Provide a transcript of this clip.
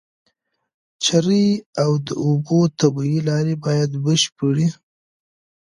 چرۍ او د اوبو طبيعي لاري بايد بشپړي